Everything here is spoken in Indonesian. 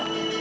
ini buat lo